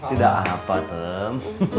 tidak apa tem